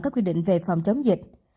các quy định về phòng chống dịch